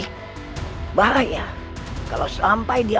kau juga bisa berdoa